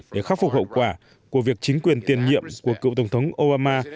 để khắc phục hậu quả của việc chính quyền tiền nhiệm của cựu tổng thống oama